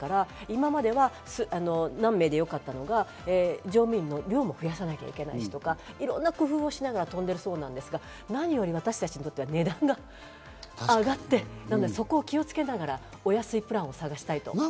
今までは何名かでよかったのが乗務員を増やさなきゃいけないんですとか、いろんな工夫をしながら飛んでるそうですが、私たちにとっては値段が上がって、だからそこを気をつけながらお安いプランを探したいと。